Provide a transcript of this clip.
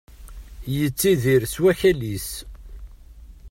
Yettidir s wakal-is.